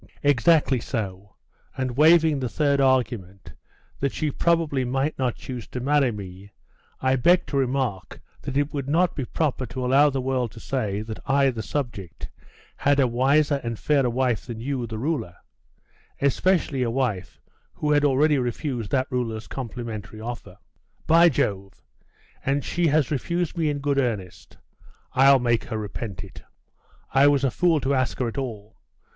'Exactly so; and waiving the third argument, that she probably might not choose to marry me, I beg to remark that it would not be proper to allow the world to say, that I, the subject, had a wiser and fairer wife than you, the ruler; especially a wife who bad already refused that ruler's complimentary offer.' 'By Jove! and she has refused me in good earnest! I'll make her repent it! I was a fool to ask her at all!